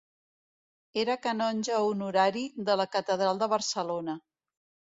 Era canonge honorari de la Catedral de Barcelona.